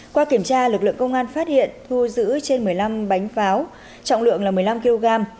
qua kiểm tra lực lượng công an phát hiện thu giữ trên một mươi năm bánh pháo trọng lượng là một mươi năm kg